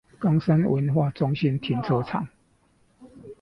岡山文化中心停車場